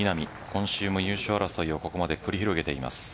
今週も優勝争いをここまで繰り広げています。